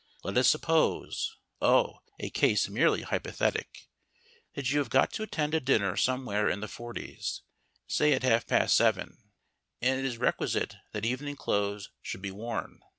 Let us suppose (oh, a case merely hypothetic) that you have got to attend a dinner somewhere in the Forties, say at half past seven; and it is requisite that evening clothes should be worn.